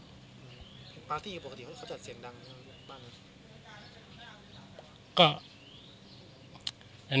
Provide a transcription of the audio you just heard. ปาร์ตี้ปกติเขาจัดเสียงดังบ้างไหม